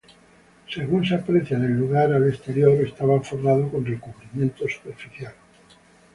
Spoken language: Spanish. Según se aprecia en el lugar, al exterior estaba forrado con recubrimiento superficial.